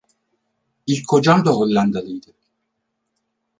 İlk Kocam da Hollandalıydı..